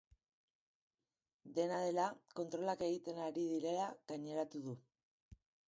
Dena dela, kontrolak egiten ari direla gaineratu du.